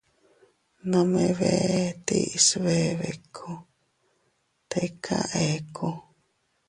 Nome bee tiis bee biku, tika eku.